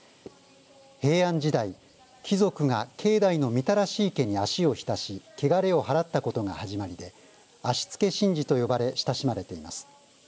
平安時代、貴族が境内の御手洗池に足を浸し汚れを払ったことが始まりで足つけ神事と呼ばれ親しまれています。